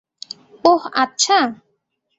ওহ, আচ্ছা!